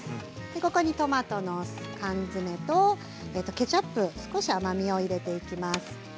ここにトマトの缶詰とケチャップ少し甘みを入れていきます。